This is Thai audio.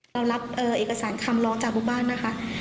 เรารับเอกสารคำร้องจากลูกบ้านนะคะ